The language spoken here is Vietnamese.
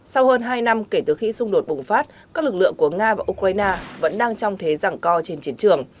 sau hơn hai năm kể từ khi xung đột bùng phát các lực lượng của nga và ukraine vẫn đang trong thế rẳng co trên chiến trường